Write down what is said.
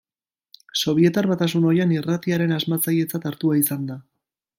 Sobietar Batasun ohian irratiaren asmatzailetzat hartua izan da.